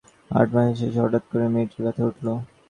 আট মাসের শেষে হঠাৎ করে মেয়েটির ব্যথা উঠল।